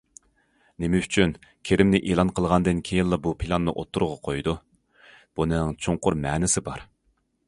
نېمە ئۈچۈن كىرىمنى ئېلان قىلغاندىن كېيىنلا بۇ پىلاننى ئوتتۇرىغا قويىدۇ؟ بۇنىڭ چوڭقۇر مەنىسى بار.